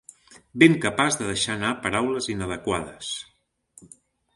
Ben capaç de deixar anar paraules inadequades.